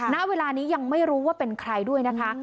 ณเวลานี้ยังไม่รู้ว่าเป็นใครด้วยนะคะ